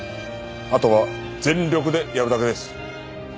あとは全力でやるだけです。